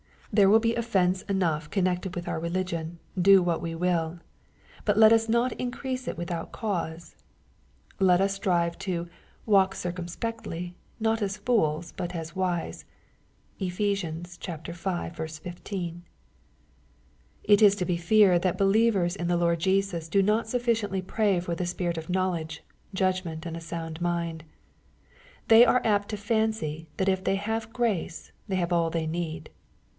There will be offence enough connected with our religion, do what we will : but let us not increase it without cause. »• MATTHEW, CHAP. X. 101 Let us strive to ^^ walk circumspectly, not as fools but as wise/' (Ephes. v. 15.) It is to be feared, that believers in the Lord Jesus do not sufficiently pray for the spirit of knowledge, judg ment, and a sound mind. They are apt to fancy that if they have grace, they have all they need.